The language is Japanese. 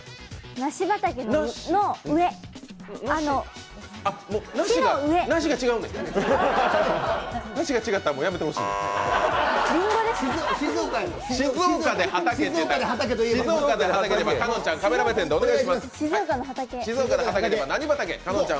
梨が違ったらやめてほしいねん。